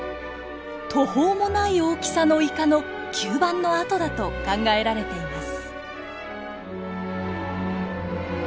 途方もない大きさのイカの吸盤の跡だと考えられています。